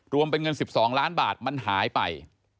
รวมเป็นเงิน๑๒ล้านบาทมันหายไป